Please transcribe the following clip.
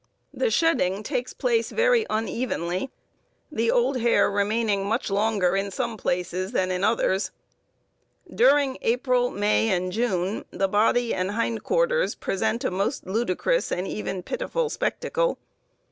The shedding takes place very unevenly, the old hair remaining much longer in some places than in others. During April, May, and June the body and hind quarters present a most ludicrous and even pitiful spectacle.